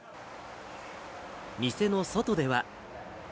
店の外では。